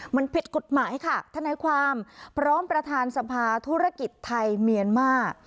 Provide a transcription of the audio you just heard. มันผิดกฎหมายค่ะทนายความพร้อมประธานสภาธุรกิจไทยเมียนมาร์